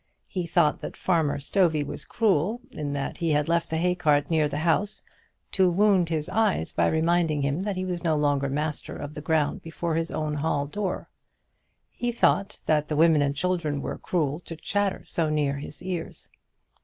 He thought that Farmer Stovey was cruel in that he had left the hay cart near the house, to wound his eyes by reminding him that he was no longer master of the ground before his own hall door. He thought that the women and children were cruel to chatter so near his ears.